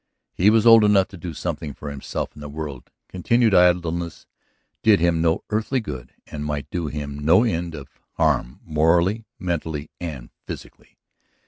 He was old enough to do something for himself in the world, continued idleness did him no earthly good and might do him no end of harm morally, mentally, and physically.